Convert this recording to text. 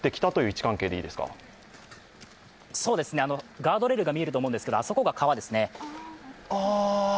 ガードレールが見えると思うんですが、あそこが川ですね。